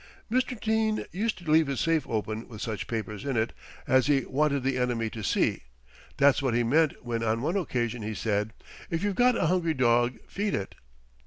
"Mr. Dene used to leave his safe open with such papers in it as he wanted the enemy to see. That's what he meant when on one occasion he said, 'If you've got a hungry dog feed it.'"